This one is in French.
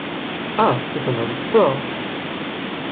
Ah ! c'est un homme fort !